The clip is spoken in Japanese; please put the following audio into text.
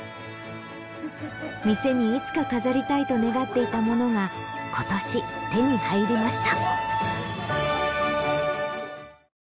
店にいつか飾りたいと願っていたものが今年手に入りました。